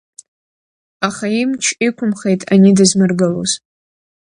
Аха имч иқәымхеит ани дызмыргылоз.